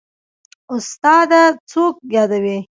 استاده څوک يادوې.